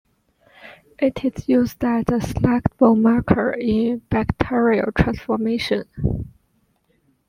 It is used as a selectable marker in bacterial transformation.